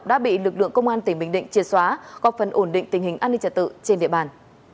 đã bị lực lượng công an tỉnh bình định triệt xóa góp phần ổn định tình hình an ninh trật tự trên địa bàn